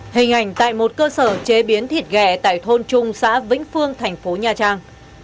hình ảnh tại một cơ sở chế biến thịt ghẻ tại thôn trung xã vĩnh phương thành phố nha trang